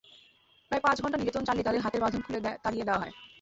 প্রায় পাঁচ ঘণ্টা নির্যাতন চালিয়ে তাঁদের হাতের বাঁধন খুলে তাড়িয়ে দেওয়া হয়।